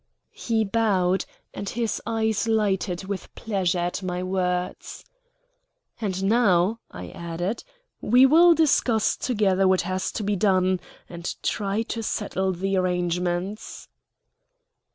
He bowed, and his eyes lighted with pleasure at my words. "And now," I added, "we will discuss together what has to be done, and try to settle the arrangements."